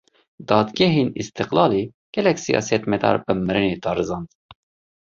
Dadgehên Îstîklalê, gelek siyasetmedar bi mirinê darizand